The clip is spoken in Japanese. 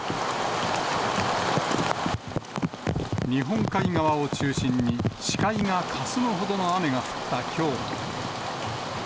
日本海側を中心に、視界がかすむほどの雨が降ったきょう。